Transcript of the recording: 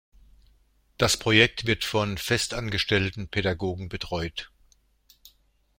Das Projekt wird von festangestellten Pädagogen betreut.